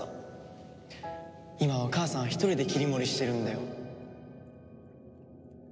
今は母さん一人で切り盛りしてるんだよ。